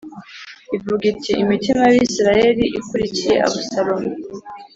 ivuga iti “Imitima y’Abisirayeli ikurikiye Abusalomu.”